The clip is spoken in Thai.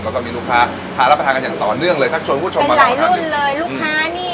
ก็จะมีลูกค้าพารับการณ์การอย่างต่อเนื่องเลยท่าชมกุครชมมาอยู่มาครั้งนี้